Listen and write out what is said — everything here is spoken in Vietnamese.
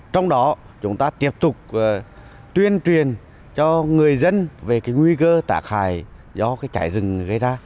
trong đó chúng ta tiếp tục tuyên truyền cho người dân về nguy cơ tả khai do chảy rừng gây ra